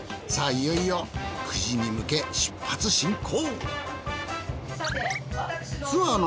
いよいよ久慈に向け出発進行